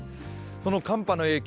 その寒波の影響